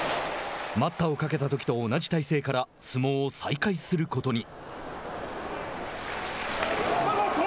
待ったをかけたときと同じ体勢から相撲を再開することに。